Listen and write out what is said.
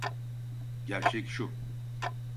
Gerçek şu.